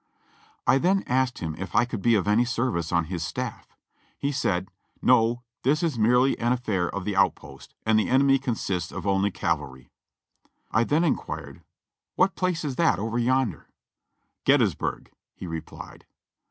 I then asked him if I could be of any service on his staff. He said, "No, this is merely an affair of the out post, and the enemy consists of only cavalry." I then inquired, "What place is that over yonder?" "Gettysburg," he replied.